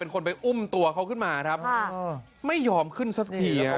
คนไปอุ้มตัวเขาขึ้นมาครับไม่ยอมขึ้นสักที